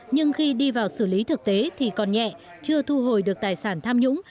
nhưng khi đi vào xử lý thực tế thì còn nhẹ chưa thu hồi được tài sản tham nhũng